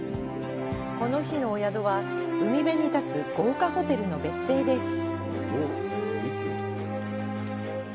この日のお宿は、海辺に建つ豪華ホテルの別邸です。